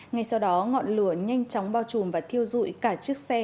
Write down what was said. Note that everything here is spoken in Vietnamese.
ngay sau đó ngọn lửa nhanh chóng bao trùm và thiêu dụi cả chiếc xe